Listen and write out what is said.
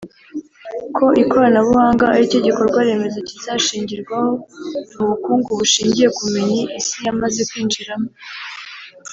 ko ikoranabuhanga aricyo gikorwa remezo kizashingirwaho mu bukungu bushingiye ku bumenyi Isi yamaze kwinjiramo